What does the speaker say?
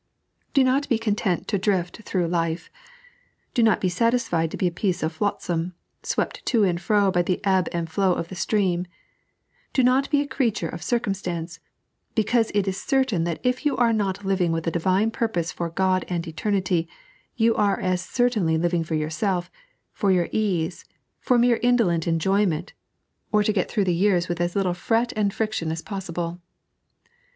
Do not be content to drift through life ; do not be satis fied to be a piece of flotsam, swept to and fro by the ebb and flow of the stream ; do not be a creature of circum stance ; because it is certain that if you are not living with a Divine purpose for God and eternity, you are as certainly living for yourself, for your ease, for mere indolent enjoy ment, or to get through the years with as little fret and 3.n.iized by Google 160 The Intention op the Soul. friction as poaaible.